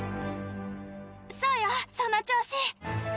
そうよその調子！